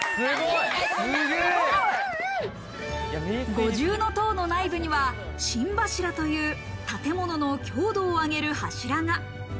五重塔の内部には心柱という建物の強度を上げる柱が。